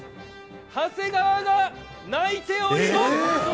長谷川が泣いております。